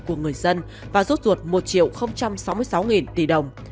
của người dân và rút ruột một sáu mươi sáu tỷ đồng